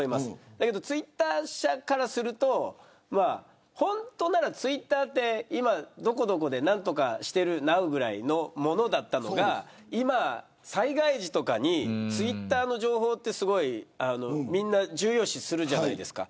ただ、ツイッター社からすると本当ならツイッターはどこどこで何とかしてるなうぐらいだったものが災害時とかにツイッターの情報はみんな、重要視するじゃないですか。